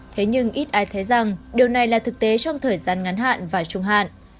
thế nhưng ít ai thấy rằng điều này là thực tế trong thời gian ngắn hạn và trung hạn